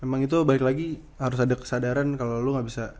emang itu balik lagi harus ada kesadaran kalau lu gak bisa